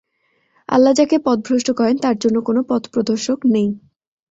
আল্লাহ যাকে পথভ্রষ্ট করেন, তার জন্যে কোন পথপ্রদর্শক নেই।